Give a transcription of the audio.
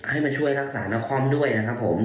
ให้มาช่วยรักษานครด้วยนะครับผม